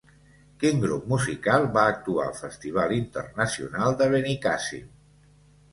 Quin grup musical va actuar al Festival Internacional de Benicàssim?